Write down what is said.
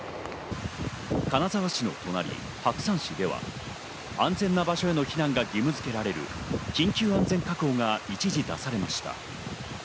金沢市の隣、白山市では安全な場所への避難が義務づけられる緊急安全確保が一時出されました。